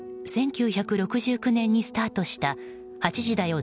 １９６９年にスタートした「８時だョ！